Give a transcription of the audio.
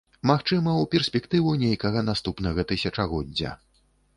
Магчыма, у перспектыву нейкага наступнага тысячагоддзя.